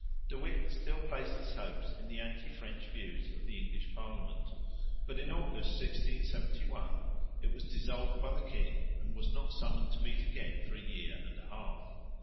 De Witt still placed his hopes in the anti French views of the English Parliament; but in August, 1671, it was dissolved by the king and was not summoned to meet again for a year and a half.